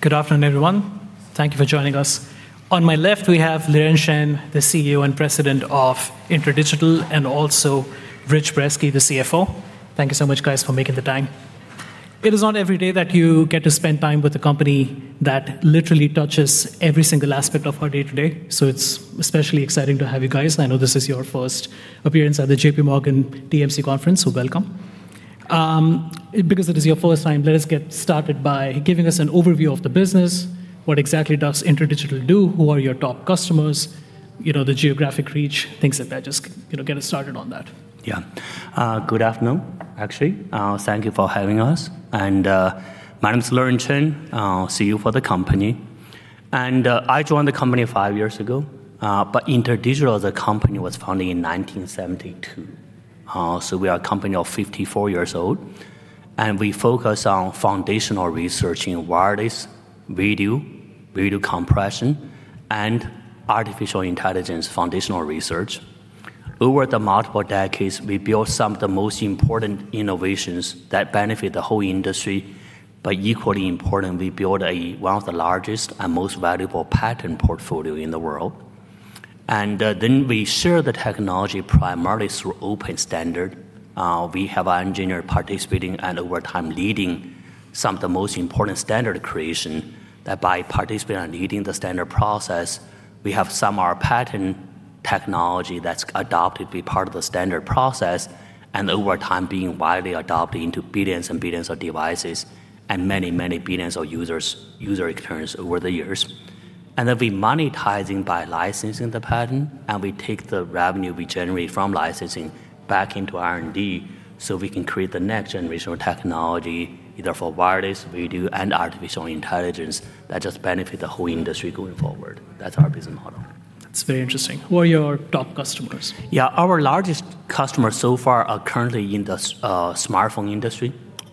Good afternoon, everyone. Thank you for joining us. On my left, we have Liren Chen, the CEO and President of InterDigital, and also Rich Brezski, the CFO. Thank you so much, guys, for making the time. It is not every day that you get to spend time with a company that literally touches every single aspect of our day-to-day, so it's especially exciting to have you guys. I know this is your first appearance at the J.P. Morgan TMC conference, so welcome. Because it is your first time, let us get started by giving us an overview of the business. What exactly does InterDigital do? Who are your top customers? You know, the geographic reach, things like that. Just, you know, get us started on that. Yeah. Good afternoon, actually. Thank you for having us. My name's Liren Chen, CEO for the company. I joined the company five years ago. InterDigital as a company was founded in 1972. We are a company of 54 years old, and we focus on foundational research in wireless, video compression, and artificial intelligence foundational research. Over the multiple decades, we built some of the most important innovations that benefit the whole industry, but equally important, we built one of the largest and most valuable patent portfolio in the world. We share the technology primarily through open standard. We have our engineer participating and over time leading some of the most important standard creation that by participating and leading the standard process, we have some of our patent technology that's adopted to be part of the standard process, and over time being widely adopted into billions and billions of devices and many, many billions of user experience over the years. Then we monetizing by licensing the patent. We take the revenue we generate from licensing back into R&D, so we can create the next generation of technology, either for wireless, video, and artificial intelligence, that just benefit the whole industry going forward. That's our business model. That's very interesting. Who are your top customers? Yeah. Our largest customers so far are currently in the smartphone industry.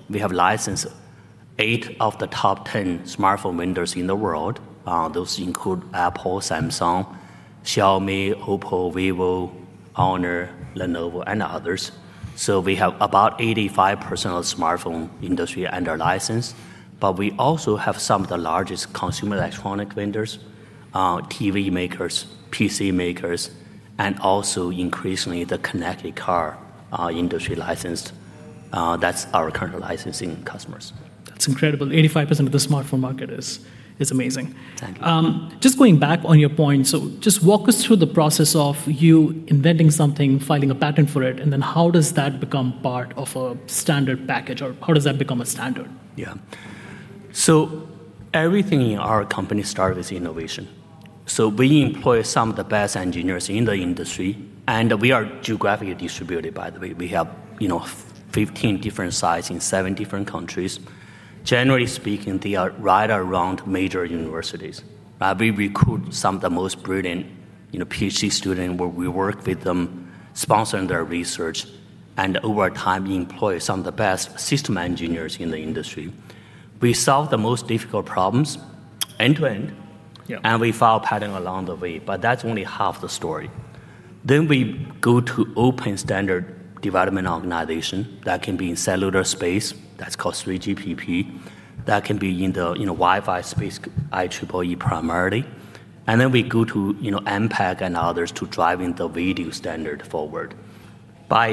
We have licensed eight of the top 10 smartphone vendors in the world. Those include Apple, Samsung, Xiaomi, Oppo, Vivo, Honor, Lenovo, and others. We have about 85% of smartphone industry under license. We also have some of the largest consumer electronic vendors, TV makers, PC makers, and also increasingly the connected car industry licensed. That's our current licensing customers. That's incredible. 85% of the smartphone market is amazing. Thank you. Just going back on your point, so just walk us through the process of you inventing something, filing a patent for it, and then how does that become part of a standard package, or how does that become a standard? Yeah. Everything in our company start with innovation. We employ some of the best engineers in the industry, and we are geographically distributed, by the way. We have, you know, 15 different sites in seven different countries. Generally speaking, they are right around major universities. We recruit some of the most brilliant, you know, Ph.D. student, where we work with them, sponsoring their research, and over time employ some of the best system engineers in the industry. We solve the most difficult problems end-to-end. Yeah We file patent along the way. That's only half the story. We go to open Standard Development Organization. That can be in cellular space. That's called 3GPP. That can be in the, you know, Wi-Fi space, IEEE primarily. We go to, you know, MPEG and others to driving the video standard forward. By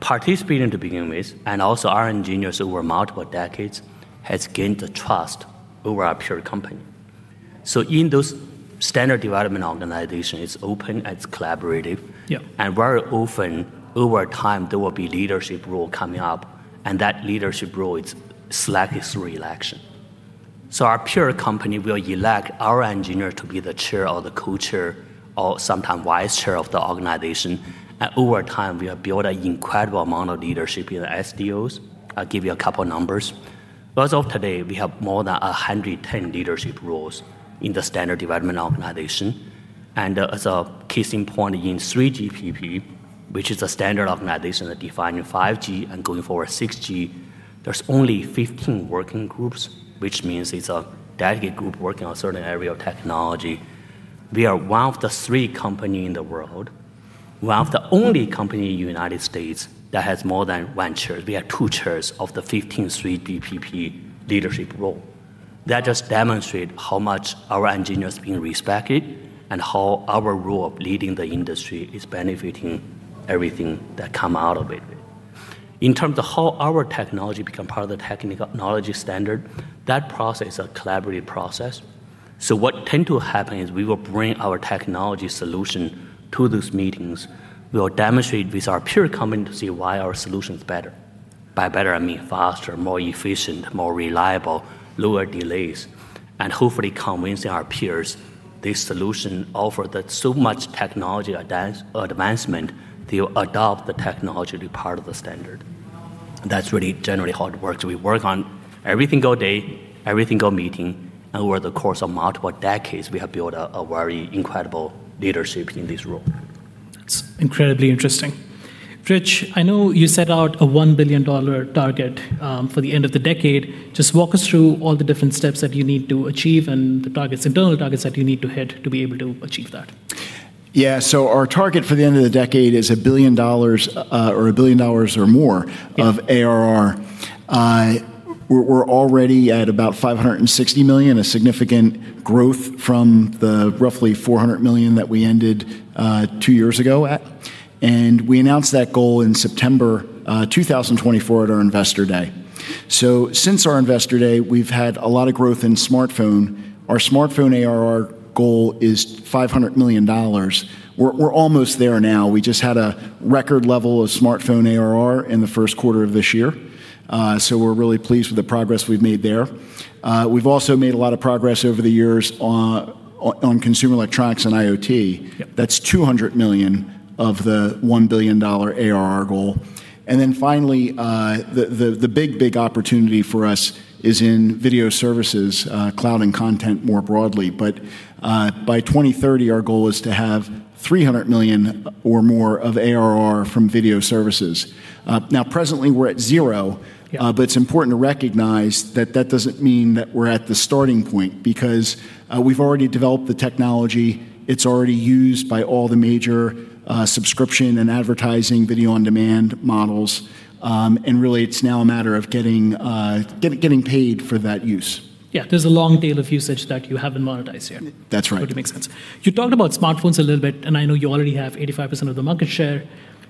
participating to begin with, and also our engineers over multiple decades, has gained the trust over our peer company. In those Standard Development Organization, it's open, it's collaborative. Yeah. Very often, over time, there will be leadership role coming up, and that leadership role is selected through election. Our peer company will elect our engineer to be the chair or the co-chair or sometime vice chair of the organization. Over time, we have built an incredible amount of leadership in the SDOs. I'll give you a couple numbers. As of today, we have more than 110 leadership roles in the Standard Development Organization. As a case in point, in 3GPP, which is a Standard Development Organization that define 5G and going forward 6G, there's only 15 working groups, which means it's a dedicated group working on a certain area of technology. We are one of the three company in the world, one of the only company in the U.S. that has more than one chair. We have two chairs of the 15 3GPP leadership role. That just demonstrate how much our engineers being respected and how our role of leading the industry is benefiting everything that come out of it. In terms of how our technology become part of the technology standard, that process is a collaborative process. What tend to happen is we will bring our technology solution to these meetings. We will demonstrate with our peer company to see why our solution is better. By better, I mean faster, more efficient, more reliable, lower delays, and hopefully convince our peers this solution offer so much technology advancement, they will adopt the technology to be part of the standard. That's really generally how it works. We work on everything all day, everything all meeting, and over the course of multiple decades, we have built a very incredible leadership in this role. That's incredibly interesting. Rich, I know you set out a $1 billion target for the end of the decade. Just walk us through all the different steps that you need to achieve and the targets, internal targets that you need to hit to be able to achieve that. Yeah, our target for the end of the decade is $1 billion, or $1 billion or more. Yeah of ARR. We're already at about $560 million, a significant growth from the roughly $400 million that we ended two years ago at. We announced that goal in September 2024 at our investor day. Since our investor day, we've had a lot of growth in smartphone. Our smartphone ARR goal is $500 million. We're almost there now. We just had a record level of smartphone ARR in the first quarter of this year. So we're really pleased with the progress we've made there. We've also made a lot of progress over the years on consumer electronics and IoT. Yep. That's $200 million of the $1 billion ARR goal. Finally, the big opportunity for us is in video services, cloud and content more broadly. By 2030, our goal is to have $300 million or more of ARR from video services. Now presently we're at zero. Yeah. It's important to recognize that that doesn't mean that we're at the starting point, because we've already developed the technology. It's already used by all the major subscription and advertising video on demand models. Really it's now a matter of getting paid for that use. Yeah. There's a long tail of usage that you haven't monetized yet. That's right. Would make sense. You talked about smartphones a little bit, and I know you already have 85% of the market share.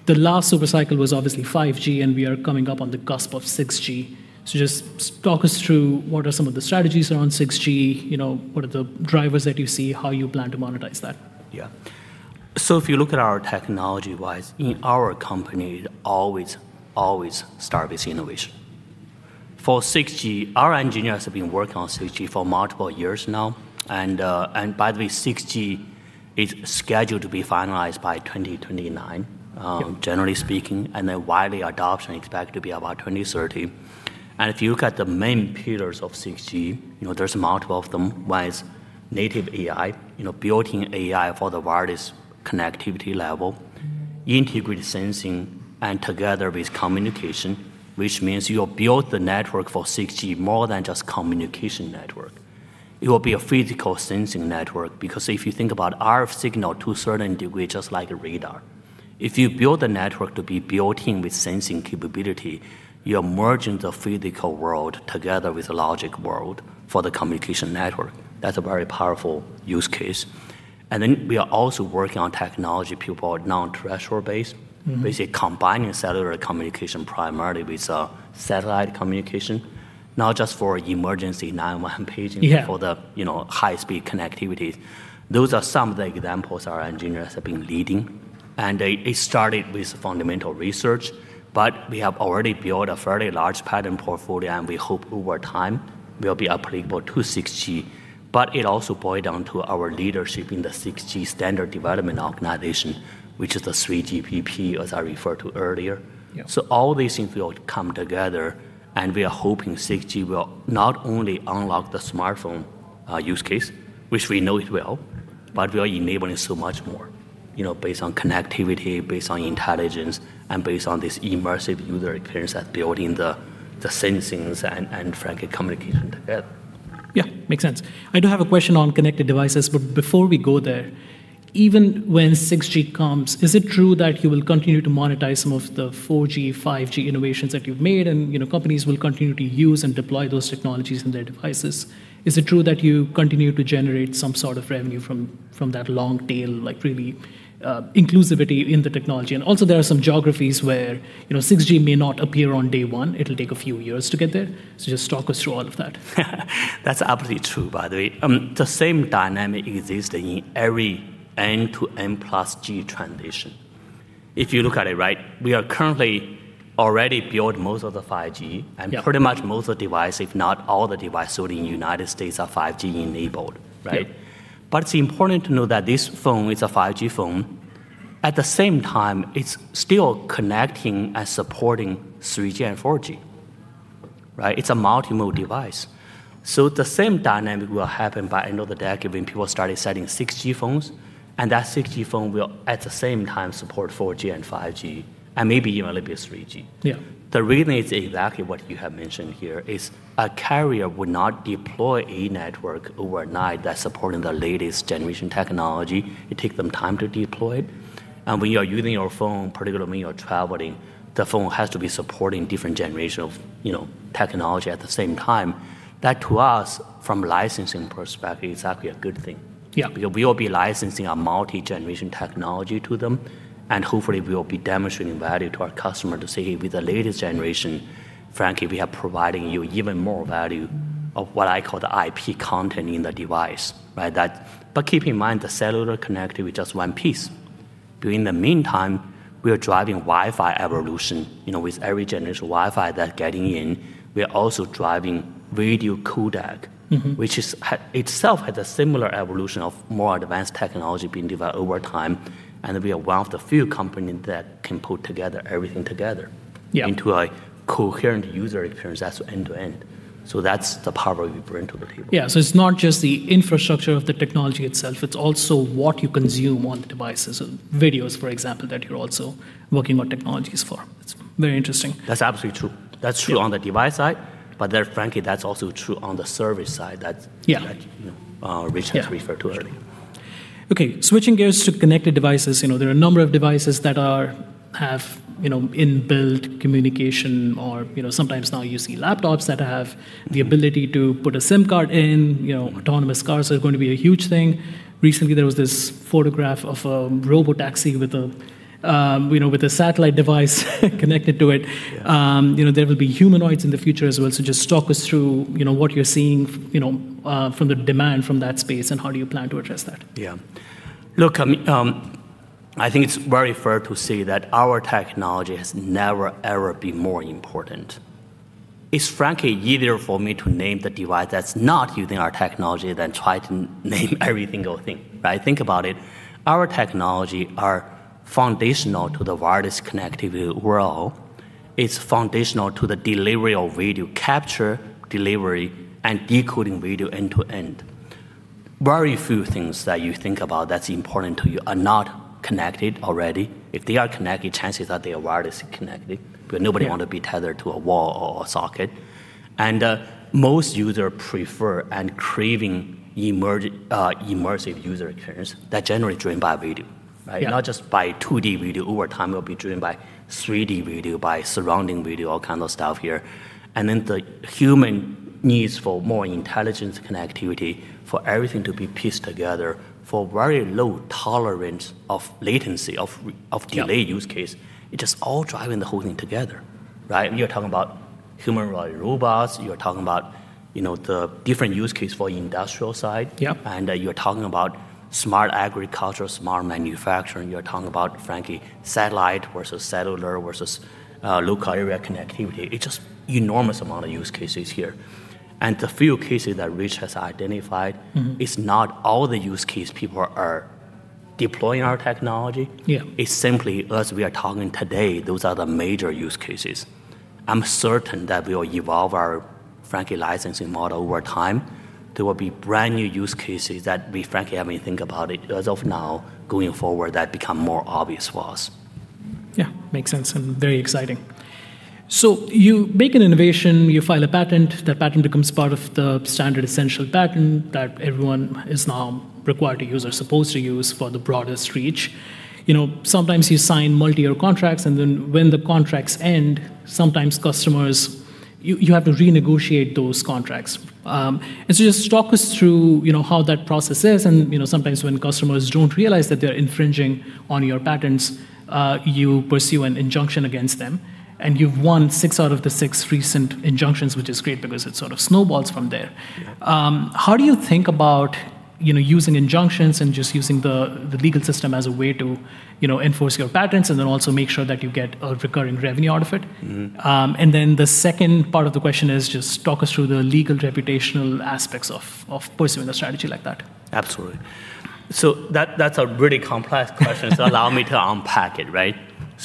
The last super cycle was obviously 5G, and we are coming up on the cusp of 6G. Just talk us through what are some of the strategies around 6G, you know, what are the drivers that you see, how you plan to monetize that. Yeah. If you look at our technology-wise, in our company always start with innovation. For 6G, our engineers have been working on 6G for multiple years now, and by the way, 6G is scheduled to be finalized by 2029. Yeah Generally speaking, widely adoption expected to be about 2030. If you look at the main pillars of 6G, you know, there's multiple of them. One is native AI, you know, building AI for the widest connectivity level, integrated sensing and together with communication, which means you build the network for 6G more than just communication network. It will be a physical sensing network because if you think about RF signal to a certain degree, just like a radar. If you build a network to be built in with sensing capability, you are merging the physical world together with the logic world for the communication network. That's a very powerful use case. We are also working on technology people are non-terrestrial based. Basically combining cellular communication primarily with satellite communication, not just for emergency 911 paging. Yeah for the, you know, high-speed connectivities. Those are some of the examples our engineers have been leading, it started with fundamental research, but we have already built a fairly large patent portfolio, and we hope over time we'll be applicable to 6G. It also boil down to our leadership in the 6G Standards Development Organization, which is the 3GPP as I referred to earlier. Yeah. All these things will come together, and we are hoping 6G will not only unlock the smartphone use case, which we know it will, but we are enabling so much more, you know, based on connectivity, based on intelligence, and based on this immersive user experience that built in the sensings and frankly, communication together. Makes sense. I do have a question on connected devices, but before we go there, even when 6G comes, is it true that you will continue to monetize some of the 4G, 5G innovations that you've made and, you know, companies will continue to use and deploy those technologies in their devices? Is it true that you continue to generate some sort of revenue from that long tail, like really inclusivity in the technology? There are some geographies where, you know, 6G may not appear on day 1. It'll take a few years to get there. Just talk us through all of that. That's absolutely true, by the way. The same dynamic existing in every N to N plus G transition. If you look at it, right? We are currently already built most of the 5G-. Yeah Pretty much most of the device, if not all the device sold in United States are 5G enabled, right? Yeah. It's important to know that this phone is a 5G phone. At the same time, it's still connecting and supporting 3G and 4G, right? It's a multi-mode device. The same dynamic will happen by end of the decade when people started selling 6G phones, and that 6G phone will at the same time support 4G and 5G and maybe even a little bit 3G. Yeah. The reason is exactly what you have mentioned here, is a carrier would not deploy a network overnight that's supporting the latest generation technology. It take them time to deploy. When you are using your phone, particularly when you are traveling, the phone has to be supporting different generation of, you know, technology at the same time. That to us, from licensing perspective, exactly a good thing. Yeah. We will be licensing a multi-generation technology to them, and hopefully we will be demonstrating value to our customer to say, "Hey, with the latest generation, frankly, we are providing you even more value of what I call the IP content in the device," right? Keep in mind, the cellular connectivity just one piece. During the meantime, we are driving Wi-Fi evolution, you know, with every generation Wi-Fi that getting in. We are also driving video codec- which itself has a similar evolution of more advanced technology being developed over time, and we are one of the few company that can put together everything together. Yeah into a coherent user experience that's end to end. That's the power we bring to the table. Yeah. It's not just the infrastructure of the technology itself, it's also what you consume on the devices. Videos, for example, that you're also working on technologies for. It's very interesting. That's absolutely true. Yeah on the device side, but then frankly, that's also true on the service side. Yeah that, you know, which I referred to earlier. Switching gears to connected devices. You know, there are a number of devices that have, you know, inbuilt communication or, you know, sometimes now you see laptops that have the ability to put a SIM card in. You know, autonomous cars are going to be a huge thing. Recently, there was this photograph of a robo-taxi with a, you know, with a satellite device connected to it. Yeah. You know, there will be humanoids in the future as well. Just talk us through, you know, what you're seeing, you know, from the demand from that space and how do you plan to address that? Yeah. Look, I think it's very fair to say that our technology has never, ever been more important. It's frankly easier for me to name the device that's not using our technology than try to name every single thing, right? Think about it. Our technology are foundational to the wireless connectivity world. It's foundational to the delivery of video capture, delivery, and decoding video end to end. Very few things that you think about that's important to you are not connected already. If they are connected, chances are they are wirelessly connected. Yeah Nobody want to be tethered to a wall or a socket. Most users prefer and craving immersive user experience that generally driven by video, right? Yeah. Not just by 2D video. Over time, it will be driven by 3D video, by surrounding video, all kind of stuff here. The human needs for more intelligent connectivity, for everything to be pieced together, for very low tolerance of latency, of delay use case. Yeah It is all driving the whole thing together, right? You're talking about humanoid robots. You're talking about, you know, the different use case for industrial side. Yep. You're talking about smart agriculture, smart manufacturing. You're talking about, frankly, satellite versus cellular versus local area connectivity. It's just enormous amount of use cases here. is not all the use case people are deploying our technology. Yeah. It's simply, as we are talking today, those are the major use cases. I'm certain that we will evolve our frankly licensing model over time. There will be brand-new use cases that we frankly haven't even think about it as of now going forward that become more obvious for us. Yeah, makes sense and very exciting. You make an innovation, you file a patent. That patent becomes part of the Standard Essential Patent that everyone is now required to use or supposed to use for the broadest reach. You know, sometimes you sign multi-year contracts, and then when the contracts end, sometimes customers, you have to renegotiate those contracts. Just talk us through, you know, how that process is. You know, sometimes when customers don't realize that they're infringing on your patents, you pursue an injunction against them, and you've won six out of the six recent injunctions, which is great because it sort of snowballs from there. Yeah. How do you think about, you know, using injunctions and just using the legal system as a way to, you know, enforce your patents, and then also make sure that you get a recurring revenue out of it? The second part of the question is just talk us through the legal reputational aspects of pursuing a strategy like that. Absolutely. That's a really complex question. Allow me to unpack it, right?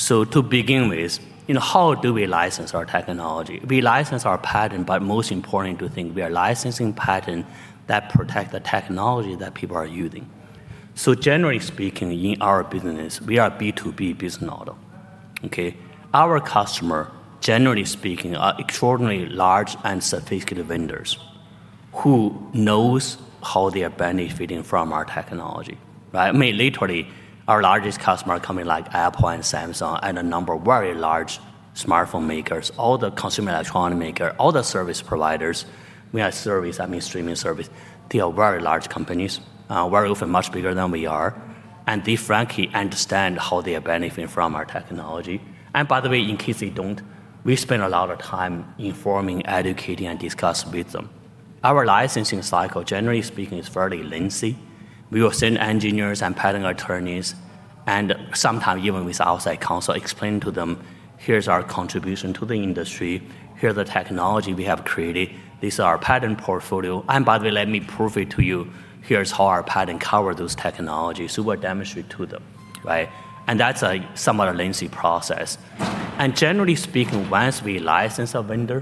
To begin with, you know, how do we license our technology? We license our patent, but most important thing we are licensing patent that protect the technology that people are using. Generally speaking, in our business, we are B2B business model, okay? Our customer, generally speaking, are extraordinarily large and sophisticated vendors who knows how they are benefiting from our technology, right? I mean, literally, our largest customer company like Apple and Samsung and a number of very large smartphone makers, all the consumer electronic maker, all the service providers, we are service, I mean streaming service. They are very large companies, very often much bigger than we are, and they frankly understand how they are benefiting from our technology. By the way, in case they don't, we spend a lot of time informing, educating, and discussing with them. Our licensing cycle, generally speaking, is fairly lengthy. We will send engineers and patent attorneys and sometimes even with outside counsel explain to them, "Here's our contribution to the industry. Here are the technologies we have created. This is our patent portfolio. By the way, let me prove it to you. Here's how our patent cover those technologies." We demonstrate to them, right? That's a somewhat lengthy process. Generally speaking, once we license a vendor,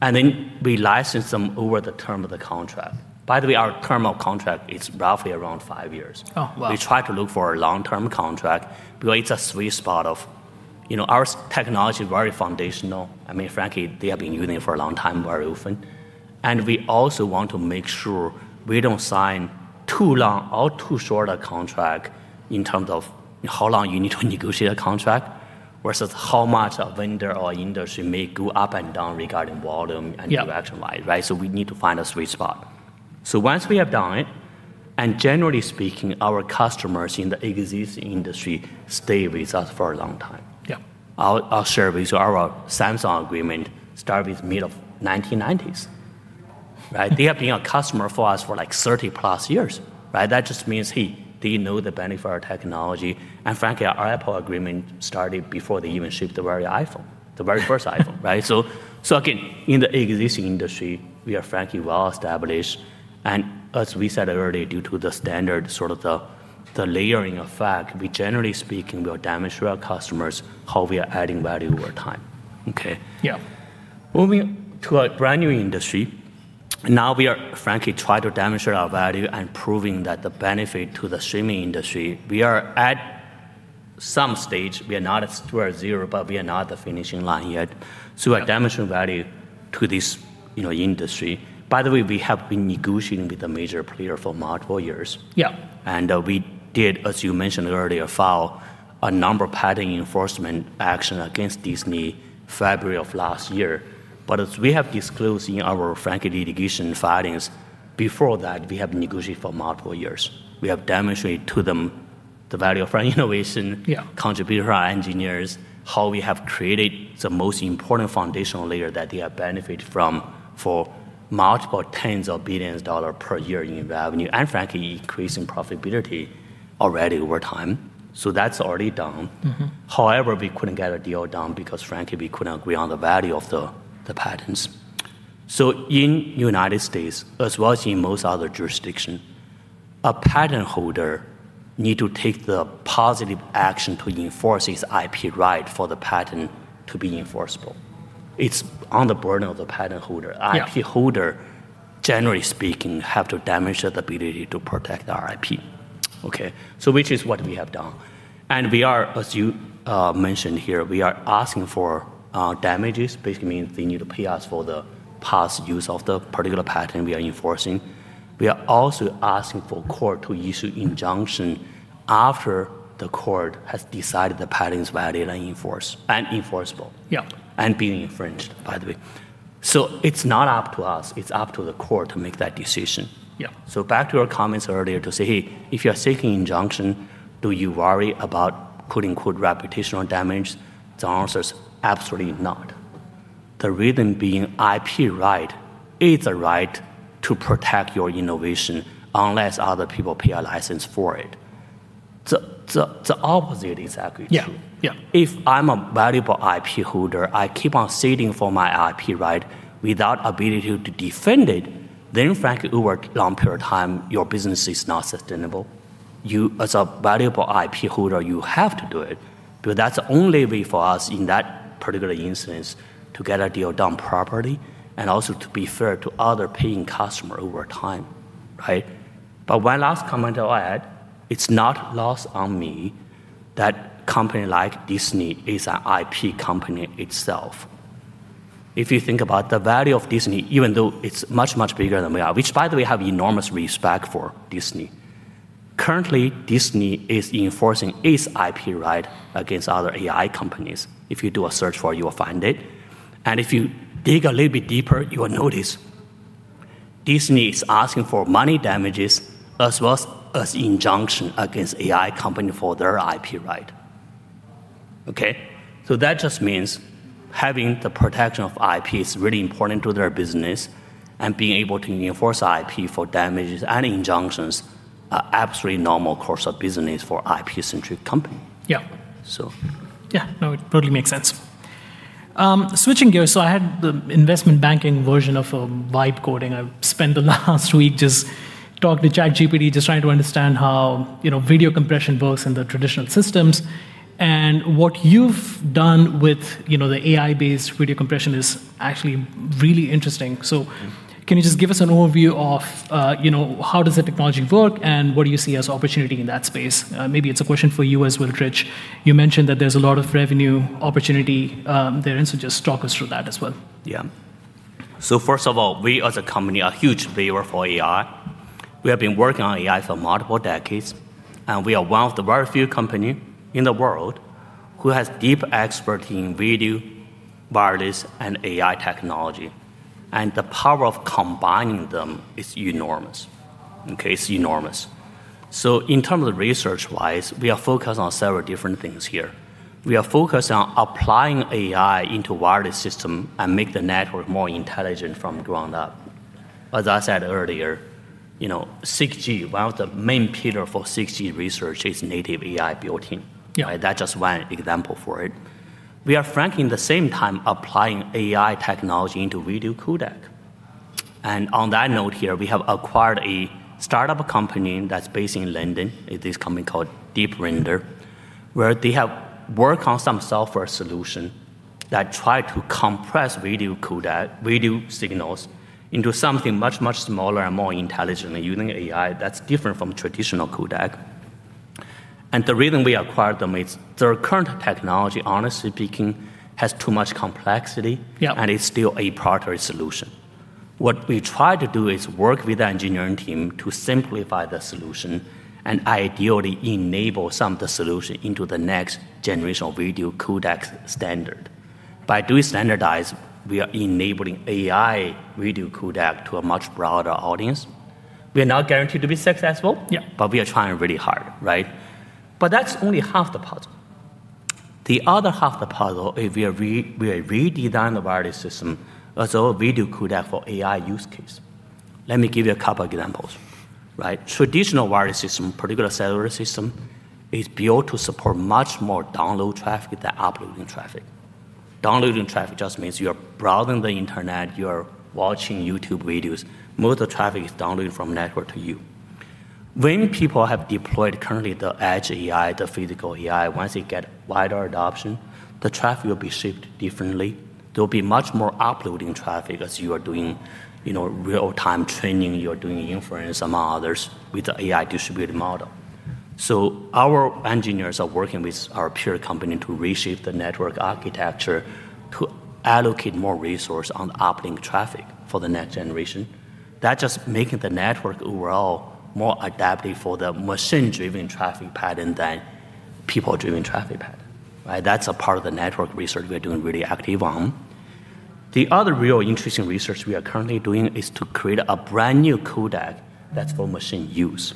and then we license them over the term of the contract. By the way, our term of contract is roughly around five years. Oh, wow. We try to look for a long-term contract because it's a sweet spot of, you know, our technology is very foundational. I mean, frankly, they have been using it for a long time very often. We also want to make sure we don't sign too long or too short a contract in terms of how long you need to negotiate a contract versus how much a vendor or industry may go up and down regarding volume. Yeah direction wise, right. We need to find a sweet spot. Once we have done it, and generally speaking, our customers in the existing industry stay with us for a long time. Yeah. Our service, our Samsung agreement start with mid of 1990s, right? They have been a customer for us for like 30 plus years, right? That just means, hey, they know the benefit of our technology. Frankly, our Apple agreement started before they even shipped the very iPhone, the very first iPhone. Right? Again, in the existing industry, we are frankly well-established. As we said earlier, due to the standard sort of the layering effect, we generally speaking will demonstrate to our customers how we are adding value over time. Okay? Yeah. Moving to a brand-new industry, now we are frankly try to demonstrate our value and proving that the benefit to the streaming industry. We are at some stage we are not at towards zero, but we are not at the finishing line yet. A demonstration value to this, you know, industry. By the way, we have been negotiating with a major player for multiple years. Yeah. We did, as you mentioned earlier, file a number of patent enforcement action against Disney February of last year. As we have disclosed in our frankly litigation filings, before that, we have negotiated for multiple years. We have demonstrated to them the value of our innovation. Yeah contributed our engineers, how we have created the most important foundational layer that they have benefited from for multiple tens of billions dollar per year in revenue, and frankly, increasing profitability already over time. That's already done. We couldn't get a deal done because frankly, we couldn't agree on the value of the patents. In U.S., as well as in most other jurisdictions, a patent holder needs to take the positive action to enforce his IP right for the patent to be enforceable. It's on the burden of the patent holder. Yeah. IP holder, generally speaking, have to demonstrate the ability to protect our IP. Okay? Which is what we have done. We are, as you mentioned here, we are asking for damages, basically means they need to pay us for the past use of the particular patent we are enforcing. We are also asking for court to issue injunction after the court has decided the patent's valid and enforceable. Yeah and being infringed, by the way. It's not up to us, it's up to the court to make that decision. Yeah. Back to your comments earlier to say, "Hey, if you're seeking injunction, do you worry about, quote-unquote, 'reputational damage?'" The answer is absolutely not. The reason being IP right is a right to protect your innovation unless other people pay a license for it. The opposite is actually true. Yeah, yeah. If I'm a valuable IP holder, I keep on seeking for my IP right without ability to defend it, then frankly, over long period of time, your business is not sustainable. You, as a valuable IP holder, you have to do it, but that's the only way for us in that particular instance to get a deal done properly and also to be fair to other paying customer over time, right? One last comment I'll add. It's not lost on me that company like Disney is a IP company itself. If you think about the value of Disney, even though it's much, much bigger than we are, which by the way, have enormous respect for Disney. Currently, Disney is enforcing its IP right against other AI companies. If you do a search for, you will find it. If you dig a little bit deeper, you will notice Disney is asking for money damages as well as injunction against AI company for their IP right. Okay? That just means having the protection of IP is really important to their business, and being able to enforce IP for damages and injunctions are absolutely normal course of business for IP-centric company. Yeah. So. Yeah, no, it totally makes sense. Switching gears, I had the investment banking version of vibe coding. I've spent the last week just talking to ChatGPT, just trying to understand how, you know, video compression works in the traditional systems. What you've done with, you know, the AI-based video compression is actually really interesting. Can you just give us an overview of, you know, how does the technology work, and what do you see as opportunity in that space? Maybe it's a question for you as well, Rich. You mentioned that there's a lot of revenue opportunity there, just talk us through that as well. Yeah. First of all, we as a company are huge believer for AI. We have been working on AI for multiple decades, and we are one of the very few company in the world who has deep expert in video, wireless, and AI technology, and the power of combining them is enormous. Okay. It's enormous. In terms of research-wise, we are focused on several different things here. We are focused on applying AI into wireless system and make the network more intelligent from ground up. As I said earlier, you know, 6G, one of the main pillar for 6G research is native AI built-in. Yeah. That's just one example for it. We are frankly in the same time applying AI technology into video codec. On that note here, we have acquired a startup company that's based in London, it is company called Deep Render, where they have worked on some software solution that try to compress video codec, video signals into something much, much smaller and more intelligent using AI that's different from traditional codec. The reason we acquired them is their current technology, honestly speaking, has too much complexity- Yeah It's still a proprietary solution. What we try to do is work with the engineering team to simplify the solution and ideally enable some of the solution into the next generation of video codec standard. By doing standardize, we are enabling AI video codec to a much broader audience. We are not guaranteed to be successful. Yeah We are trying really hard, right? That's only half the puzzle. The other half the puzzle is we are redesign the wireless system as a video codec for AI use case. Let me give you a couple examples, right? Traditional wireless system, particular cellular system, is built to support much more download traffic than uploading traffic. Downloading traffic just means you are browsing the internet, you are watching YouTube videos. Most of the traffic is downloaded from network to you. When people have deployed currently the Edge AI, the Physical AI, once they get wider adoption, the traffic will be shaped differently. There'll be much more uploading traffic as you are doing, you know, real-time training, you are doing inference among others with the AI distributed model. Our engineers are working with our peer company to reshape the network architecture to allocate more resource on uplink traffic for the next generation. That just making the network overall more adaptive for the machine-driven traffic pattern than people-driven traffic pattern, right? That's a part of the network research we are doing really active on. The other real interesting research we are currently doing is to create a brand-new codec that's for machine use.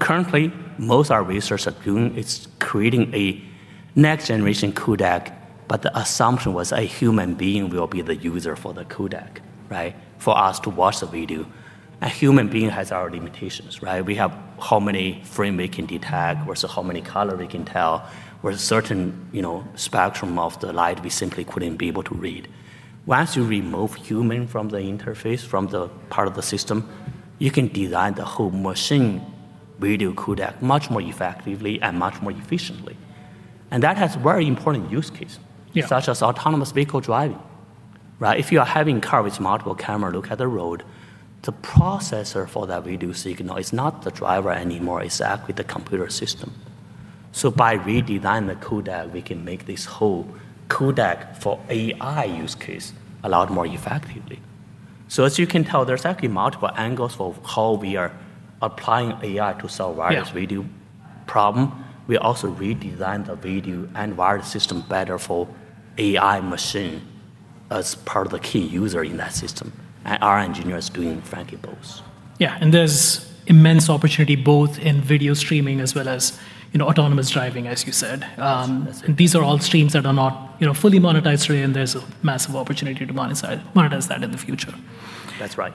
Currently, most our research are doing is creating a next-generation codec, but the assumption was a human being will be the user for the codec, right? For us to watch the video. A human being has our limitations, right? We have how many frame we can detect, or so how many color we can tell, or a certain, you know, spectrum of the light we simply couldn't be able to read. Once you remove human from the interface, from the part of the system, you can design the whole machine video codec much more effectively and much more efficiently, and that has very important use case. Yeah. Such as autonomous vehicle driving, right? If you are having car with multiple camera look at the road, the processor for that video signal is not the driver anymore. It's actually the computer system. By redesign the codec, we can make this whole codec for AI use case a lot more effectively. As you can tell, there's actually multiple angles for how we are applying AI to solve wireless. Yeah video problem. We also redesign the video and wireless system better for AI machine as part of the key user in that system. Our engineers doing frankly both. Yeah, there's immense opportunity both in video streaming as well as, you know, autonomous driving, as you said. Yes. That's it. These are all streams that are not, you know, fully monetized today, and there's a massive opportunity to monetize that in the future. That's right.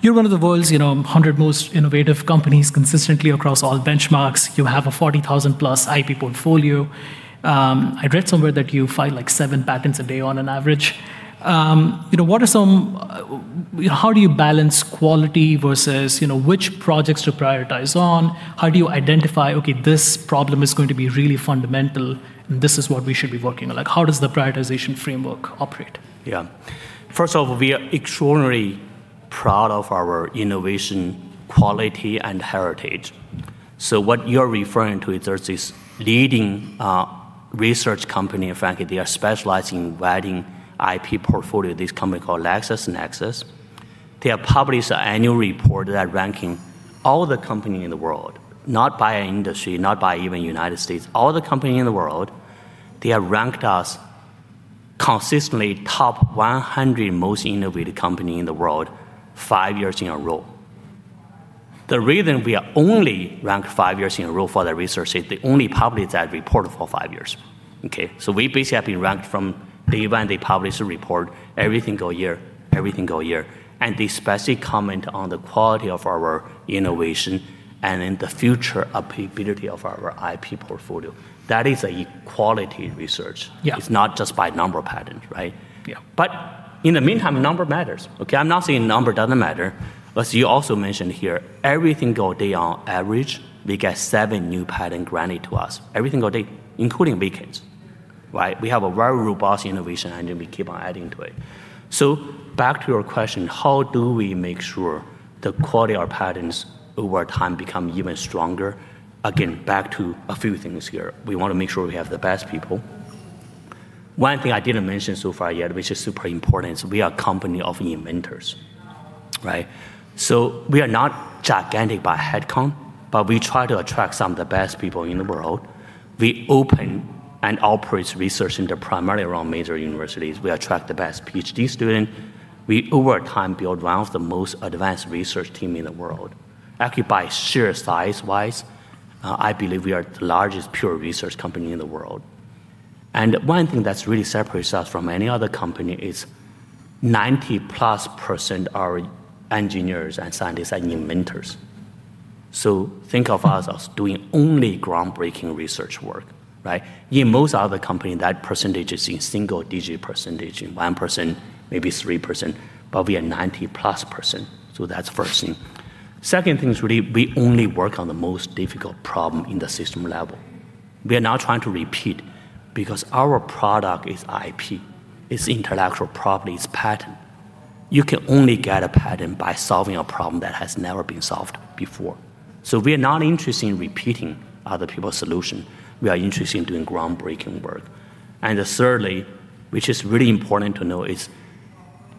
You're one of the world's, you know, 100 most innovative companies consistently across all benchmarks. You have a 40,000-plus IP portfolio. I read somewhere that you file, like, seven patents a day on an average. You know, what are some, you know, how do you balance quality versus, you know, which projects to prioritize on? How do you identify, okay, this problem is going to be really fundamental, and this is what we should be working on? Like, how does the prioritization framework operate? Yeah. First off, we are extraordinarily proud of our innovation, quality, and heritage. What you're referring to is there's this leading research company, in fact, they are specializing in writing IP portfolio, this company called LexisNexis. They have published a annual report that ranking all the company in the world, not by industry, not by even United States, all the company in the world. They have ranked us consistently top 100 most innovative company in the world five years in a row. The reason we are only ranked five years in a row for that research is they only publish that report for five years, okay? We basically have been ranked from day one they publish the report every single year, and they specifically comment on the quality of our innovation and in the future applicability of our IP portfolio. That is a quality research. Yeah. It's not just by number patent, right? Yeah. In the meantime, number matters, okay. I'm not saying number doesn't matter. As you also mentioned here, every single day on average, we get seven new patent granted to us. Every single day, including weekends, right. We have a very robust innovation, and then we keep on adding to it. Back to your question, how do we make sure the quality of our patents over time become even stronger? Again, back to a few things here. We wanna make sure we have the best people. One thing I didn't mention so far yet, which is super important, is we are a company of inventors, right. We are not gigantic by head count, but we try to attract some of the best people in the world. We open and operate research into primarily around major universities. We attract the best PhD student. We, over time, build one of the most advanced research team in the world. Occupy sheer size-wise, I believe we are the largest pure research company in the world, one thing that's really separates us from any other company is 90-plus % are engineers and scientists and inventors. Think of us as doing only groundbreaking research work, right? In most other company, that percentage is in single-digit %, in 1%, maybe 3%, we are 90-plus %. That's first thing. Second thing is really we only work on the most difficult problem in the system level. We are not trying to repeat because our product is IP. It's intellectual property. It's patent. You can only get a patent by solving a problem that has never been solved before. We are not interested in repeating other people's solution. We are interested in doing groundbreaking work. Thirdly, which is really important to know, is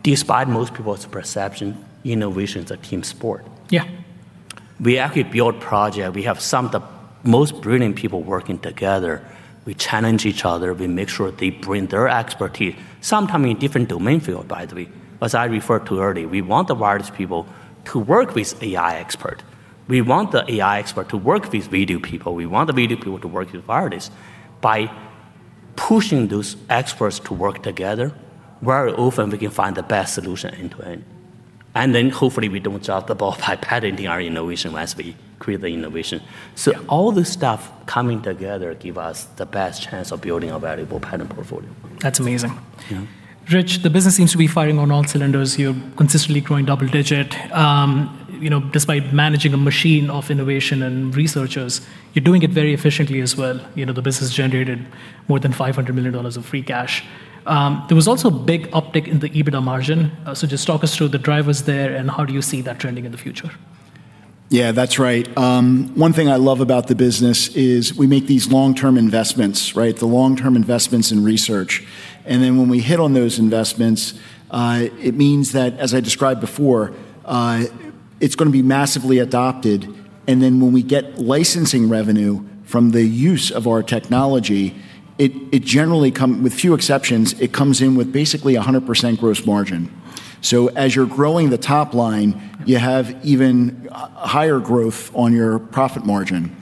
despite most people's perception, innovation is a team sport. Yeah. We actually build project. We have some of the most brilliant people working together. We challenge each other. We make sure they bring their expertise, sometimes in different domain field, by the way. As I referred to earlier, we want the wireless people to work with AI expert. We want the AI expert to work with video people. We want the video people to work with wireless. By pushing those experts to work together, very often we can find the best solution end to end, and then hopefully we don't drop the ball by patenting our innovation as we create the innovation. Yeah. All this stuff coming together give us the best chance of building a valuable patent portfolio. That's amazing. Yeah. Rich, the business seems to be firing on all cylinders. You're consistently growing double-digit. You know, despite managing a machine of innovation and researchers, you're doing it very efficiently as well. You know, the business generated more than $500 million of free cash. There was also a big uptick in the EBITDA margin. Just talk us through the drivers there and how do you see that trending in the future? Yeah, that's right. One thing I love about the business is we make these long-term investments, right? The long-term investments in research. When we hit on those investments, it means that, as I described before, it's gonna be massively adopted. When we get licensing revenue from the use of our technology, it generally with few exceptions, it comes in with basically 100% gross margin. As you're growing the top line, you have even higher growth on your profit margin,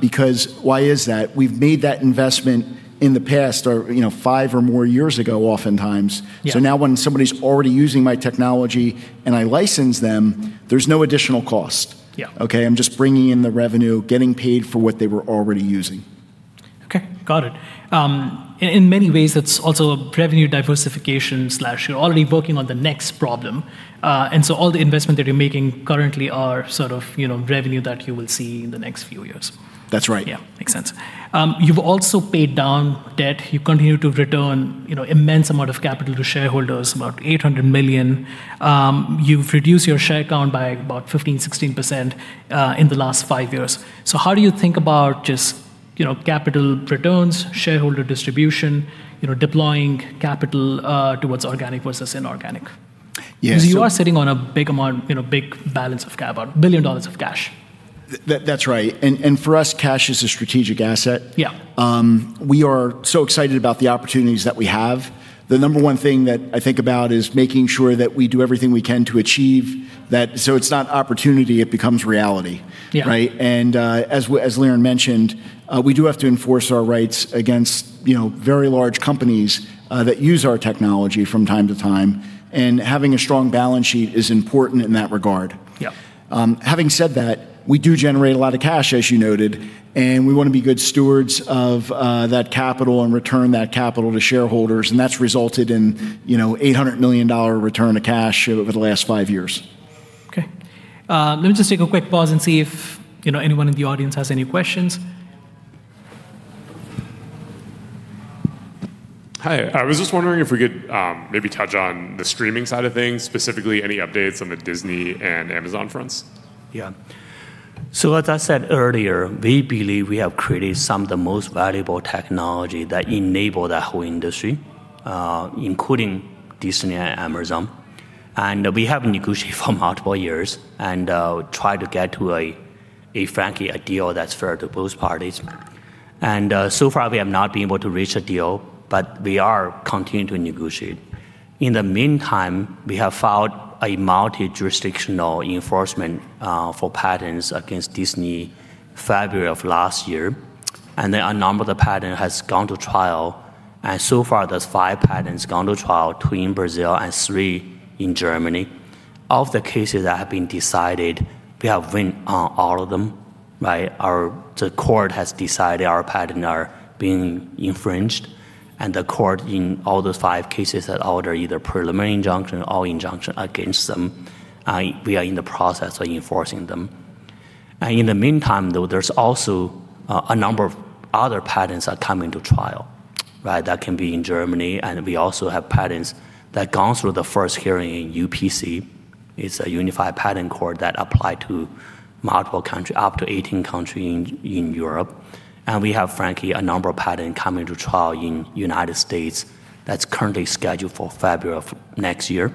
because why is that? We've made that investment in the past or, you know, five or more years ago oftentimes. Yeah. Now when somebody's already using my technology and I license them, there's no additional cost. Yeah. I'm just bringing in the revenue, getting paid for what they were already using. Okay. Got it. In many ways that's also revenue diversification slash you're already working on the next problem. All the investment that you're making currently are sort of, you know, revenue that you will see in the next few years. That's right. Yeah. Makes sense. You've also paid down debt. You continue to return, you know, immense amount of capital to shareholders, about $800 million. You've reduced your share count by about 15%, 16% in the last five years. How do you think about just, you know, capital returns, shareholder distribution, you know, deploying capital towards organic versus inorganic? Yeah. 'Cause you are sitting on a big amount, you know, big balance of about $1 billion of cash. That's right, and for us, cash is a strategic asset. Yeah. We are so excited about the opportunities that we have. The number one thing that I think about is making sure that we do everything we can to achieve that so it is not opportunity, it becomes reality. Yeah. Right. As Liren mentioned, we do have to enforce our rights against, you know, very large companies that use our technology from time to time, and having a strong balance sheet is important in that regard. Yeah. Having said that, we do generate a lot of cash, as you noted, and we wanna be good stewards of that capital and return that capital to shareholders, and that's resulted in, you know, $800 million return of cash over the last five years. Okay. Let me just take a quick pause and see if, you know, anyone in the audience has any questions. Hi. I was just wondering if we could maybe touch on the streaming side of things, specifically any updates on the Disney and Amazon fronts. Yeah. As I said earlier, we believe we have created some of the most valuable technology that enable the whole industry, including Disney and Amazon. We have negotiated for multiple years and try to get to a frankly a deal that's fair to both parties. So far we have not been able to reach a deal, we are continuing to negotiate. In the meantime, we have filed a multi-jurisdictional enforcement for patents against Disney February of last year, a number of the patent has gone to trial, so far there's five patents gone to trial, two in Brazil and three in Germany. Of the cases that have been decided, we have win on all of them, right? The court has decided our patent are being infringed, The court in all those five cases had ordered either preliminary injunction or injunction against them. We are in the process of enforcing them. In the meantime, though, there's also a number of other patents that are coming to trial, right? That can be in Germany, We also have patents that gone through the first hearing in UPC. It's a Unified Patent Court that apply to multiple countries, up to 18 countries in Europe. We have frankly a number of patent coming to trial in U.S. that's currently scheduled for February of next year.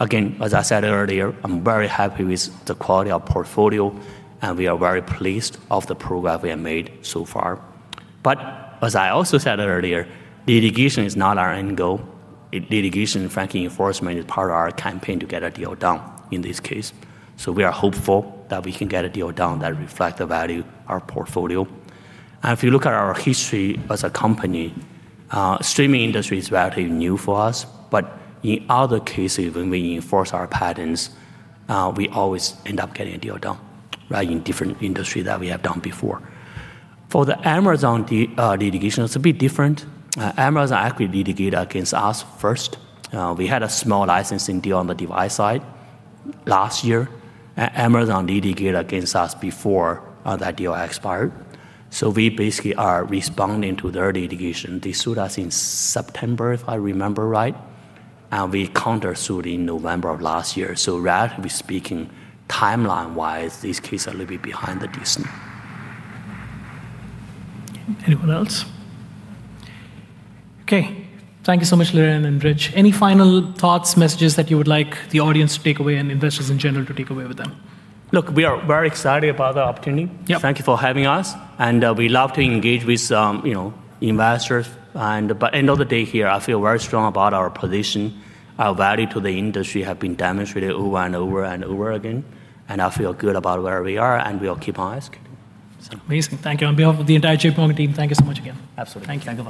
Again, as I said earlier, I'm very happy with the quality of portfolio, and we are very pleased of the progress we have made so far. As I also said earlier, litigation is not our end goal. Litigation and frankly enforcement is part of our campaign to get a deal done in this case. We are hopeful that we can get a deal done that reflect the value our portfolio. If you look at our history as a company, streaming industry is relatively new for us. In other cases, when we enforce our patents, we always end up getting a deal done, right, in different industry that we have done before. The Amazon litigation, it's a bit different. Amazon actually litigate against us first. We had a small licensing deal on the device side last year. Amazon litigate against us before that deal expired. We basically are responding to their litigation. They sued us in September, if I remember right, and we countersued in November of last year. Relatively speaking, timeline-wise, this case a little bit behind the Disney. Anyone else? Okay. Thank you so much, Liren and Rich. Any final thoughts, messages that you would like the audience to take away and investors in general to take away with them? Look, we are very excited about the opportunity. Yeah. Thank you for having us. We love to engage with, you know, investors but end of the day here, I feel very strong about our position. Our value to the industry have been demonstrated over and over and over again, and I feel good about where we are, and we'll keep on asking. Sounds amazing. Thank you. On behalf of the entire J.P. Morgan team, thank you so much again. Absolutely. Thank you.